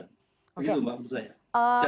begitu maksud saya